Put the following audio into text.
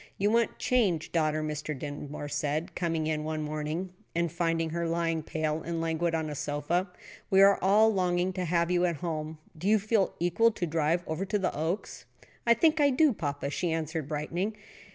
"You want change, daughter," Mr. Dinsmore said, coming in one morning and finding her lying pale and languid on a sofa; "and we are all longing to have you at home. Do you feel equal to a drive over to the Oaks?" "I think I do, papa," she answered, brightening.